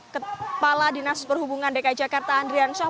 kepala dinas perhubungan dki jakarta andrian syah